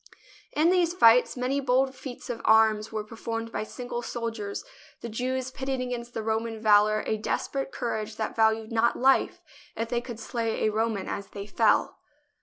In these fights many bold feats of arms were performed by single soldiers, the Jews pitting against the Roman valour a desperate cour age that valued not life if they could slay a Roman as they fell.